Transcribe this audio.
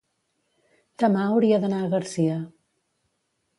demà hauria d'anar a Garcia.